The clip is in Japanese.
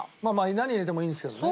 何入れてもいいんですけどね。